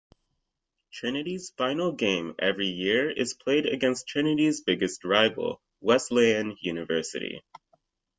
Trinity's final game every year is played against Trinity's biggest rival, Wesleyan University.